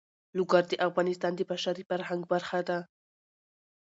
لوگر د افغانستان د بشري فرهنګ برخه ده.